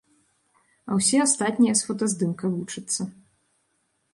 А ўсе астатнія з фотаздымка вучацца.